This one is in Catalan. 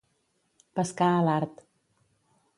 Pescar a l'art.